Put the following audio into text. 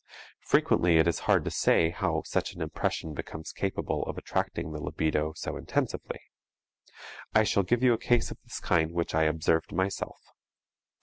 Frequently it is hard to say how such an impression becomes capable of attracting the libido so intensively. I shall give you a case of this kind which I observed myself.